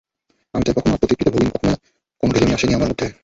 আমি তাই কখনোই আত্মতৃপ্তিতে ভুগিনি, কখনোই কোনো ঢিলেমি আসেনি আমার মধ্যে।